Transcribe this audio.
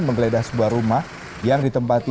menggeledah sebuah rumah yang ditempati